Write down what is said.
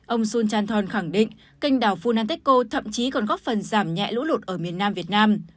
ông sun chanthol khẳng định kênh đảo funanteko thậm chí còn góp phần giảm nhẹ lũ lụt ở miền nam việt nam